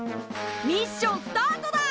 ミッションスタートだ！